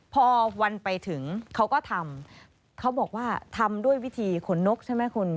พอวันไปถึงเขาก็ทำเขาบอกว่าทำด้วยวิธีขนนกใช่ไหมคุณ